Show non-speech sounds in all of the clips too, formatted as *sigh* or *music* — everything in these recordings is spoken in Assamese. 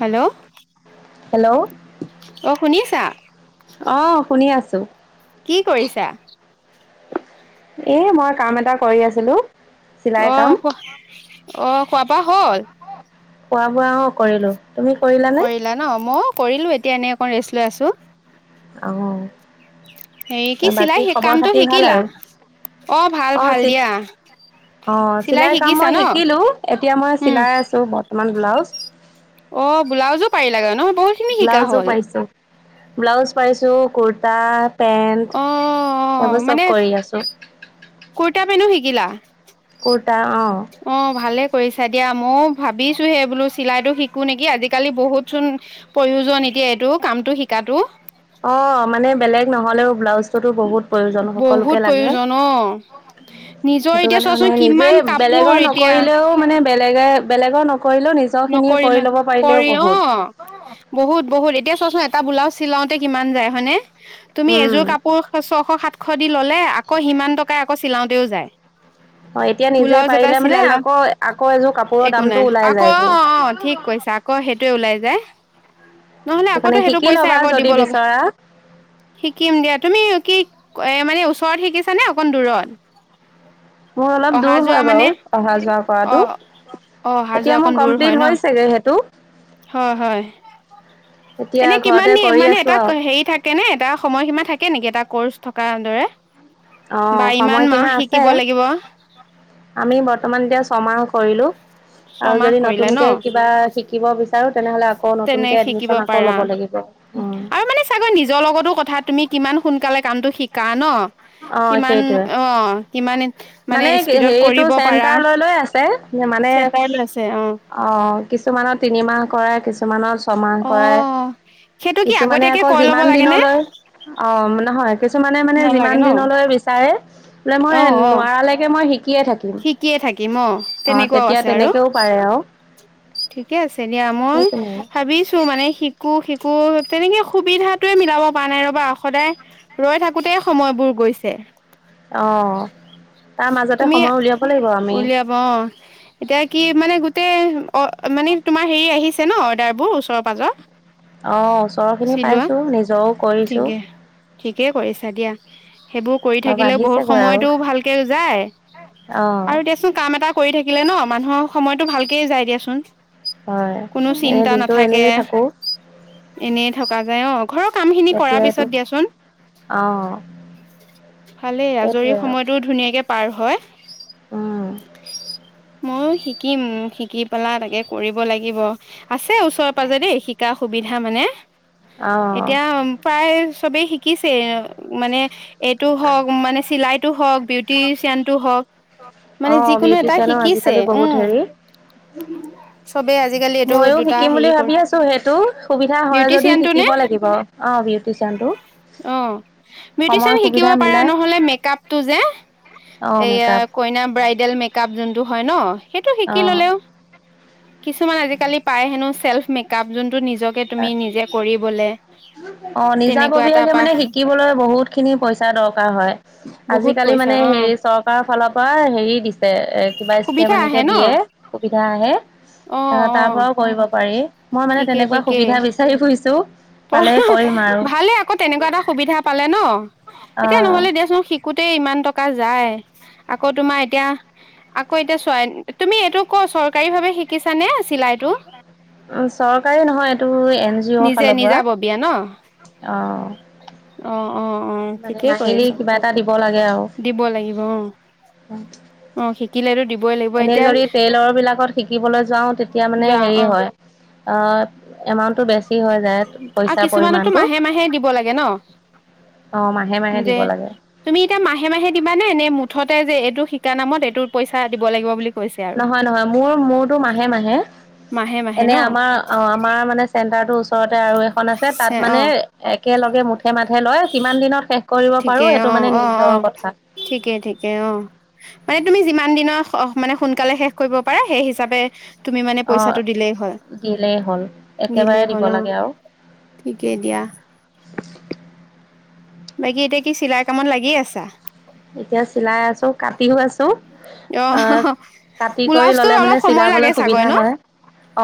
হেল্ল' হেল্ল' অ শুনি আছা অ শুনি আছো ত কি কৰিছা এ মই কাম এটা কৰি আছিলো। চিলাই অহ কাম খোৱা অহ খোৱা বোৱা হ'ল খোৱা বোৱা কৰিলো তুমি কৰিলা নে কৰিলোঁ এতিয়া এনেই অকণ ৰেষ্ট লৈ আছোঁ। আহ কি চিলাই বাকী সেই খবৰ কামটো খাতি ভাল শিকিলা আৰু অ ভাল ভাল দিয়া অ অ চিলাই কাম শিকিছা মই ন শিকিলো এতিয়া মই উম চিলাই আছো ম মান ব্লাউজ অ ব্লাউজো পাৰিল লাগে ন ব্লাউজো পাইছো ব্লাউজ পাইছো, কুৰ্তা। পেন্ট অ, সেইবোৰ অ চব মানে কৰি আছো কুৰ্তা পেনো শিকিলা? কটা অ কৰিছা দিয়া মইও ভাবিছোহে বোলো চিলাইতো শিকো নেকি আজিকালি বহুতচোন প্ৰয়োজন এতিয়া এইটো কামটো শিকাতো। অ মানে বেলেগ নহলেও ব্লাউজ বো বহুত প্ৰয়োজন বহুত সকলোকে লাগে প্ৰয়োজন অ নিজৰ সেইটো এতিয়া কাৰণে মানে চোৱাচোন নিজে কিমান কাপোৰ বেলেগৰ এতিয়া নকৰিলেও মানে বেলেগে বেলেগৰ ন নকৰিলে কৰি অ বহুত বহুত বহুত এতিয়া চোৱাচোন। এটা ব্লাউজ চিলাওঁতে কিমান যায় হয়নে। তুমি উম, এযোৰ কাপোৰ ছশ সাত। সশ দি ল'লে আকৌ সিমান টকা আকৌ চিলাওঁতেও যায়। অ এতিয়া নিজে ব্লাউজ এটা পাৰিলে মানে চিলালা আকৌ আকৌ এযোৰ কাপোৰৰ দামতটো ওলাই যায়। ক অ', ঠিক।। কৈছা আকৌ সেইটোৱে ওলাই যায়। নহলে আকতো কাৰণে সেইটো শিকি পইচাই ল'বা আকৌ দিব যদি লগা বিচৰা শিকিম দিয়া তুমি কি। এ মানে ওচৰত শিকিছানে অকণ দূৰত। মোৰ অলপ অহা দূৰ যোৱা হয় মানে বাৰু অহা অ যোৱা। অ অহা যোৱা এতিয়া অকন মোৰ দূৰ হয় কমপ্লিট ন হৈছে গৈ। তো হয় হয় এতিয়া এনে কিমান ঘৰতে কৰি মানে আছো আৰু হে থাকে ন এটা সময়ীমা থাকে নেকি এটা কৰ্চ। দৰে। অ বা ইমান মাহ সময়সীমা আছে শিকিব লাগিব আমি বৰ্তমান এতিয়া। সমাৰ কৰিলো। আৰু ছমাহ যদি কৰিলে ন নতুনকে কিবা শিকিব বিচ তেনে শিকিব পাৰা ল'ব লাগিব। অ আৰু মানে চাগৈ নিজৰ লগতো কথা তুমি কিমান শুন। সোনকালে কামটো শিকা ন। অ কিমান সেইটয়ে অ কিমান মানে স্পীডত হেৰিতটো কৰিব পাৰা চেণ্টাৰ লৈ লৈ আছে মানে চেণ্টাৰ লৈছে অ অ', কিছুমানৰ তিনিমাহ। কৰাই কিছুমানৰ। ছমাহ অ কৰাই সেইটো কি কিছুমানে আগতীয়াকে আকৌ কৈ ল'ব যিমান লাগে নে দিনলৈ অ নহয়। কিছুমানে মানে যিমান। কিমান নালাগে ন দিনলৈ বিচাৰে? বোলে মই অ অ নোৱাৰালৈকে মই শিকি। শিকিয়েই থাকিম শিকিয়ে থাকিম অ তেনেকুৱাও তেতিয়া আছে আৰু তেনেকেও পাৰে আৰু। ঠিকে আছে দিয়া মই সেইখিনিয়ে ভাবিছো মানে শিকো শিকো। তেনেকে সুবিধাটোৱে মিলাব পৰা নাই ৰ'বা সদায় ৰৈ থাকোতে সময়বোৰ গৈছে। অঁ তুমি উলিয়াব অ এতিয়া কি মানে গোটেই অ মানে তোমাৰ হেৰি আহিছে ছে ন অৰ্ডাৰবোৰ ওচৰৰ পাজৰ অ', ওচৰৰখিনি চিলোৱা পাইছোঁ নিজৰও কৰিছোঁ ঠিকে ঠিকেই কৰিছা দিয়া সেইবোৰ কৰি অলপ থাকিলেও বহুত আহিছেগৈ আৰু। সময়তটো ভাল যায় অ', আৰু দিয়াচোন কাম এটা কৰি থাকিলে ন মানুহৰ সময় টো ভালকেই যায় দিয়াচোন হয় কোনো এনে চিন্তা দিনটো নাথাকে এনেই থাকো অঁঅ ঘৰৰ কামখিনি কৰাৰ পিছত দিয়াচোন অ', ভালেই আজৰি সেইটোৱে আৰু সময়ত এনেকে পাৰ হয় উম ময়ো শিকিম শিকি পেলা তাকে কৰিব লাগিব আছে ওচৰৰ পাজৰে দেই শিকা সুবিধা মানে অ', এতিয়া প্ৰায় চবেই শিকিইছে মানে এইটো হওঁক মানে চিলাইত অঁহ বিউটি চাইন তো হওঁক। মানে অ', যিকোনো এটা বিউটিচিয়ানৰ শিকিছে আজিকালি বহুত উম। হেৰি চবেই আজিকালি সেই তো ময়ো দুটা শিকিম বুলি ভাবি কৰিছে। আছোঁ সেইটো সুবিধা হয় যদি বিউটিচেয়ান তো নে? শিকিব লাগিব অ', বিউটিচিয়ানটো অঁ সময় বিউটিচেয়ান শিকিব সুবিধা পাৰা মিলাই ন'হলে মেকাপ অ', মেকআপ কইনাৰ বৰাইডেল মেকাপ যোনতো হয় ন সেইটো শিকি ললেওঁ কিছুমান আজিকালি পায় হেনো চেল্ফ মেকাপত যোন টো নিজকে তুমি নিজে কৰি বোলে অঁ নিজাববীয়াকে মানে শিকিবলৈ বহুত খিনি পইচা দৰকাৰ হয়। বহুত আজিকালি পইচা মানে অ হেৰি চৰকাৰৰ ফালৰ পৰা হেৰি দিছে এ কিবা স্কেম সুবিধা এনেকে আহে ন দিয়ে সুবিধা আহে অ অ তাৰ পৰাও কৰিব পাৰি মই মানে ঠিকেই তেনেকুৱা সুবিধা বিচাৰি ফুৰিছো। অ পালে কৰিম আৰু ভালে আকৌ তেনেকুৱা এটা সুবিধা পালে ন। অ এতিয়া নহলে দিয়াচোন শিকো তেই ইমান টকা যাই আকৌ তোমাৰ এতিয়া আকৌ এতিয়া চোৱা তুমি এইটো ক চৰকাৰী ভাৱে শিকিছানে চিলাইতটো চৰকাৰী নহয় এইটো এন জি অ'ৰ নিজে ফালৰ পৰা, নিজাববীয়া ন অ। অ। অ অ মানে ঠিকেই মাহিলী কৰিছা কিবা এটা দিব লাগে আৰু দিব লাগিব কিল আৰু দিব *unintelligible* এনেই যদি টেইলৰ বিলাকত শিকিবলৈ যাও তেতিয়া মানে যোৱা হেৰি অ হয় অঁ এমাউণ্টটো বেছি হৈ যায় আৰু পইচাৰ কিছুমানতো পৰিমাণটো মাহে মাহে দিব লাগে ন? অ মাহে মাহে যে দিব লাগে তুমি এতিয়া মাহে মাহে দিবানে নে মুঠতে যে এইটো শিকা নামত এইটোৰ পইচা দিব লাগিব বুলি কৈছে আৰু নহয় নহয় মোৰ মোৰতো মাহে মাহে মাহে মাহে এনে ন আমাৰ অঁ আমাৰ মানে চেণ্টাৰটো ওচৰত ওচৰতে আৰু এখন আছে তাত অ মানে একেলগে মুঠে মা লয় কিমান দিনত শেষ কৰিব পাৰো ঠিকেই সেইটো অঁ মানে অঁ নিজৰ অঁ কথা ঠিকে ঠিকে অঁ মানে তুমি যিমান দিনৰ মানে সোনকালে শেষ কৰিব পাৰো সেই হিচাপে তুমি মানে অ পইচাটো দিলেই হয়। দিলেই হ'ল একেবাৰে দিলেই দিব হ'ল অ লাগে আৰু ঠিকেই দিয়া। বাকী এতিয়া কি চিলাই কামত লাগিয়ে আছা? এতিয়া চিলাই আছো কাটিওঁ আছোঁ। অ আঁহ কাটি কৰি ব্লাউজটোত ললে মানে অলপ সময় চিলাবলৈ লাগে চাগৈ সুবিধা ন হয়।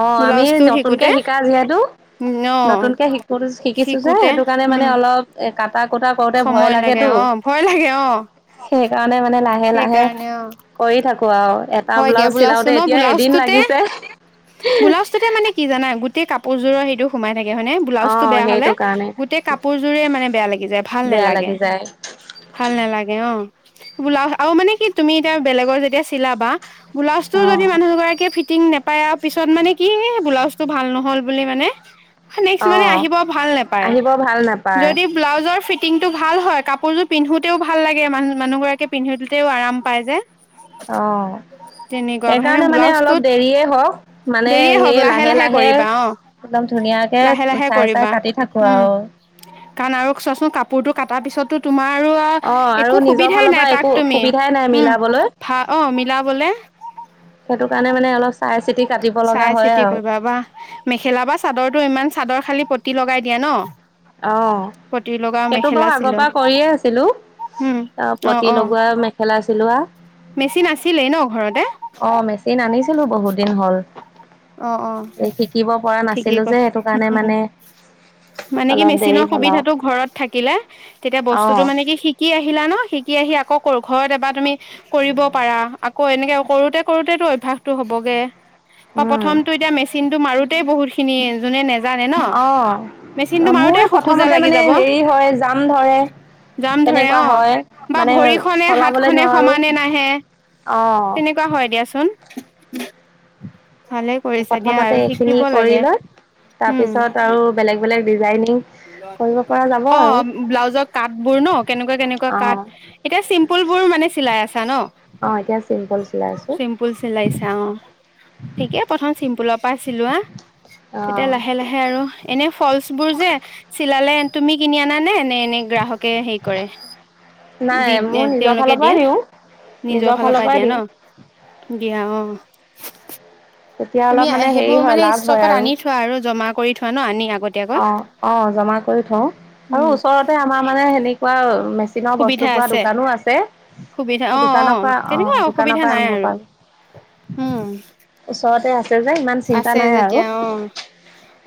অঁ আমি ব্লাউজটো নতুনকে শিকোতে শিকা যিহেতু ন নতুনকে শিকোঁ শিকিছোঁ যে শিকোতে সেইটো কাৰণে মানে উম অলপ কাটা কুটা কৰোতে ভয় সময় লাগে লাগেতো অ ভয় লাগে অ। সেইকাৰণে মানে লাহে লাহে সেইকাৰণে অ কৰি থাকো আৰু এটা হয় দিয়া ব্লাউজ ব্লাউজটো চিলাওতে ন এতিয়া এদিন ব্লাউজটোতে, লাগিছে ব্লাউজটোতে মানে কি জানা গোটেই কাপ পাজোৰ সটো সোমাই থাকে হয়নেে ব্লাউজ টো অ' বেয়া হলে সেইটো কাৰণে গোটেই কাপোৰযোৰে মানে বেয়া লাগি যায় ভাল বেয়া নালাগে, লাগি যায় ভাল নালাগে অ। ব্লাউজ আৰু মানে কি তুমি এতিয়া বেলেগৰ যেতিয়া চিলাবা ব্লাউজটো যদি মানুহ দুগৰাকীয়ে ফিটিং নেপা তাই আৰু পিছত মানে কি ব্লাউজ টো ভাল নহ'ল বুলি মানে নেক্স মানে অ' আহিব ভাল নোপায় আহিব ভাল নাপায় যদি ব্লাউজৰ ফীট ফিটিংটো ভাল হয় কাপোৰযোৰ পিন্ধোতেওঁ ভাল লাগে মা মানুহগৰাকীয়ে পিন্ধোতেওঁ আৰাম পায় যে অ তেনেকুৱা কথা সেইকাৰণে মানে অলপ ব্লাউজটোত দেৰিয়ে হওক মানে দেৰিয়ে সে হওক লাহে লাহে কৰিবা অ একদম ধুনীয়াকে লাহে লাহে চাই চাই কৰিবা কাটি থাকো উম আৰু। সেইটো কাটাৰ পিছত টো তোমাৰ আৰু অ' আৰু একো নিজৰ সুবিধাই ফালৰ নাই পৰা তাক একো তুমি সুবিধাই নাই উম মিলাবলৈ ভা অ মিলাবলে। সেইটো কাৰণে মানে অলপ চাই চিতি কাটিব লগা চাই হয় চিতি আৰু কৰিবা বা মেখেলা বা চাদৰটো ইমান চাদৰ খালি প্ৰতি লগাই দিয়া ন। অঁ', পতি লগা সেইটো মেখেলা বাৰু আগৰ চিলোৱা পৰা কৰিয়ে আছিলো উম অঁ অ প্ৰতি অ লগোৱা মেখেলা চিলোৱা, মেচিন আছিলেই ন ঘৰতে। ছিলো বহুত দিন হ'ল। অ অ এ শিকিব পৰা ঠিকেই নাছিলো যে কৈছা সেইটো কাৰণে উম মানে মানে কি অলপ দেৰি মেচিনৰ হ'ল সুবিধাটো ঘৰত থাকিলে তেতিয়া আও বস্তুতটো মানে কি শিকি আহিলা ন শিকি আহি আকৌ কৰ ঘৰত এবাৰ তুমি কৰিব পাৰা আকৌ এনেকে কৰোতে, কৰোতেতো অভ্যাসটো হ'বগে। অঁ প্ৰথমতটো এতিয়া মেচিন টো মাৰো তে বহুত খিনি নাযা নে ন ন অঁ মেচিনটো মোৰ মাৰোতে শোকোজা প্ৰথমতে লাগি মানে যাব হেৰি হয় জাম ধৰে যাম ধৰে তেনেকুৱা অঁ', হয় বা মানে ভৰিখনে চলাবলে হাতখনে নোৱাৰো সমানে নাহে অঁ তেনেকুৱা হয় দিয়াচোন। ভালে কৰিছা দিয়া প্ৰথমতে আৰু এইখিনি শিকিব কৰি লাগে লৈ উম, তাৰপিছত আৰু বেলেগ বেলেগ ডিজাইনিং কৰিব পৰা যাব আৰু অ', ব্লাউজৰ কাটবোৰ ন কেনেকুৱা কেনেকুৱা অঁ কাট এতিয়া চিম্পুলবোৰ মানে চিলাই আছা ন অঁ এতিয়া চিম্পল চিলাই আছোঁ চিম্পুল চিলাইছা অ', ঠিকে প্ৰথম চিম্পুলৰ পৰা চিলোৱা তেতিয়া অঁ লাহে লাহে আৰু এনে ফলচ বোৰ যে চিলালে তুমি কিনি আনা নে? এনে গ্ৰাহকে হেৰি কৰে নাই দি মোৰ নিজৰ তেওঁলোকে ফালৰ পৰাই দিয়ে দিওঁ নিজৰ ফালৰ পৰা দিয়ে ন', দিয়ে অঁ', তেতিয়া তুমি অলপ মানে হেৰি সেইবোৰ হয় মানে লাভ হয় ষ্টকত আনি থোৱা আৰু জমা কৰি থোৱা ন', আনি আ', অঁ', অঁ', জমা কৰি থও আৰু উম ওচৰতে আমাৰ মানে সেনেকুৱা কাষৰত দোকানত সুবিধা বস্তু পোৱা আছে দোকানো আছে। সুবিধা সেই অঁ', দোকানৰ অঁ', পৰা তেনেকুৱা অ', দোকানৰ অসুবিধা পৰা নাই আনিব আৰু পাৰোঁ। উম, ওচৰতে আছে যে ইমান চিন্তা আছে নাই আৰু। যেতিয়া অ',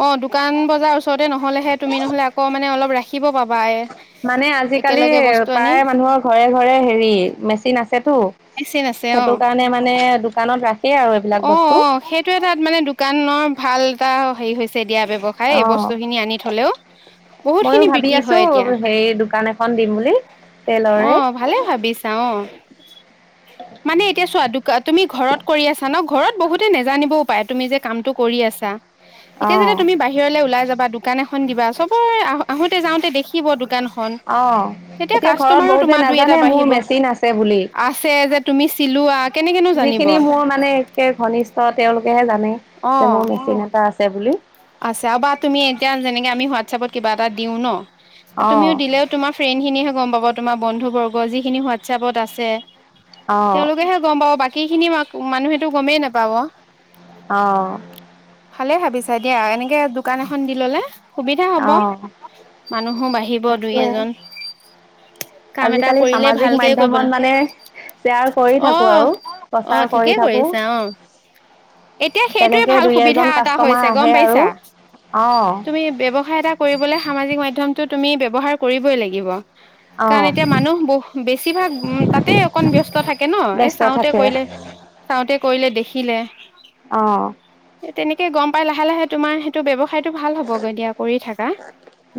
অ', দোকান বজাৰ ওচৰতে নহলেহে তুমি নহ'লে আকৌ নে অলপ ৰাখি শখিব পাব *unintelligible* মানে আজিকালি আনি প্ৰায় মানুহৰ ঘৰে-ঘৰে হেৰি মেচিন আছেতো ভেকচিন আছে অ সেইটো কাৰণে মানে দোকানত ৰাখেই আৰু এইবিলাক অ অ বস্তু। সেইটো এটাত মানে দোকানৰ ভাল এটা হেৰি হৈছে। দিয়া ব্যৱসায় এই বস্তু অ'। খিনি আনি থলেও বহুত ময়ো খিনি ভাবি বিক্ৰী আছোঁ হয়। এতিয়া হেৰি দোকান এখন দিম বুলি টেইলৰে আহ, ভালে ভাবিছা অ', মানে এতিয়া চোৱাদুকা তুমি ঘৰত কৰি আছা ন ঘৰত, বহুতে নাজানিব। পাই তুমি যে কামতটো কৰি আছা। এতিয়া, যেতিয়া অ'। তুমি বাহিৰলৈ ওলাই যাবা দোকান এখন দিবা চবৰে আহ আহো যাওঁতে দেখিব দোকান অ', এতিয়া ঘৰত বহুতে দুই এটা নাজানে মোৰ বাঢ়িব মেচিন আছে বুলি। আছে যে তুমি চিলোৱা কেনেকেনো জানিব যিখিনি মোৰ মানে একে ঘনিষ্ঠ তেওঁলোকেহে জানে। তে মোৰ বেছি নকা *unintelligible* আছে বুলি। আছে আৰু বা তুমি এতিয়া যেনেকে আমি হোৱাটছএপত কিবা এটা দিও ন, আৰু অ', তুমিও দিলেও তোমাৰ ফ্ৰেণ্ড খিনিহে গম পাব। তোমাৰ বন্ধু বৰ্গ যিখিনি হোৱাটছএপত আছে, অ', তেওঁলোকেহে গম পা বাকী খিনি ম মানুহেইেতটো গমেই নাপাব। আহ, ভাবিছে আচ্ছা দিয়া এনেকে দোকান এখন দি ল'লে সুবিধা হ'ব অ', মানুহো বাঢ়িব দুই, তাকে এজন। কাম এটা আজিকালি কৰিলে সামাজিক ভালকে মাধ্যমত কৰিবলৈ মানে শেয়াৰ কৰি অ থাকো আৰু অ প্ৰচাৰ কৰি ঠিকেই থাকো কৰিছা অ তেনেকে দুই, এজন কাষ্টমাৰ ম আহে আৰু পাইছা অ', তুমি ব্যৱসায় এটা কৰিবলৈ সামাজিক মাধ্যম তটো তুমি ব্যৱহাৰ কৰিবই লাগিব। কাৰণ অ', এতিয়া মানুহ ব বেছিভাগ উ তাতে অকন ব্যস্ত থাকে ন এই ব্যস্ত চাওঁতে থাকে কৰিলে চাওঁতে কৰিলে দেখি খিলে অ', তেনেকে গম পায় লাহে-লাহে তোমাৰ সেইটো ব্যৱ খাইতটো ভাল হ'বগৈ দিয়া কৰি থাকা।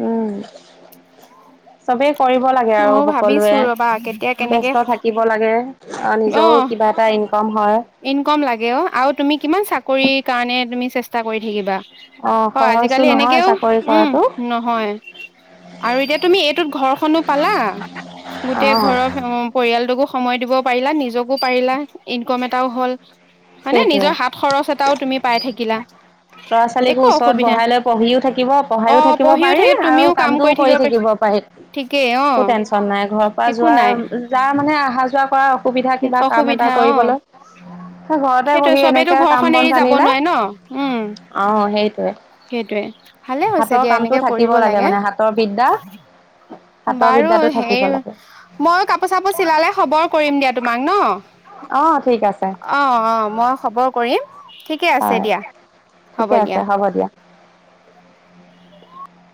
উম, চবেই কৰিব লাগে আৰু ময়ো ভাবিছো সকলোৱে ৰবা কেতিয়া কেনেকে ব্যস্ত থাকিব লাগে অ নিজৰ কিবা এটা ইনকাম হয়। ইনকম লাগে অ আৰু তুমি কিমান চাকৰিৰ কাৰণে তুমি চেষ্টা কৰি থাকিবা। অ' হয়, সহজটো আজিকালি নহয় এনেকেও চাকৰি উম, কৰাটো নহয় আৰু এতিয়া তুমি এইটোত ঘৰখনো গ অ' *unintelligible* সময় দিব পাৰিলা নিজকো পাৰিলা ইনকম এটাও হ'ল। হয়নে সেইটোৱে। নিজৰ হাত খৰচ এটাও তুমি পাই থাকিলা। ল'ৰা ছোৱালীকো একো ওচৰত অসুবিধা বহাই লৈ পঢ়িও থাকিব পঢ়াইও অ', থাকিব পঢ়িও পাৰি থাকে আৰু তুমিও কাম কামটোও কৰি থাকিব পাৰি ঠিকেই অ একো টেনচন নাই ঘৰৰ পৰা একো যোৱা নাই যাৰ মানে অহা যোৱা কৰা অসুবিধা কিবা কাম এটা অসুবিধা অ কৰিবলৈ। ঘৰতে সেইটোয়ে বহি চবেতো এনেকে কাম ঘৰখন বন এৰি যাব আনিলে নোৱাৰে ন উম আহ সেইটোৱে সেইটোয়ে ভালে হৈছে হাতৰ দিয়া কামটো এনেকে থাকিব কৰিব লাগে মানে হাতৰ বিদ্যা। হাতৰ বাৰু বিদ্যাটো থাকিব হেই লাগে। ময়ো কাপোৰ চাপোৰ চিলালে খবৰ কৰিম দিয়া তোমাক ন। অ', অ' ঠিক আছে অ' অ' মই খবৰ কৰিম ঠিকে আছে হয় দিয়া হ'ব দিয়া।